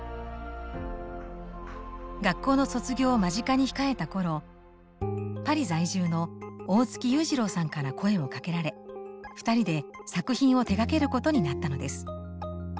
学校の卒業を間近に控えた頃パリ在住の大月雄二郎さんから声をかけられ２人で作品を手がけることになったのです。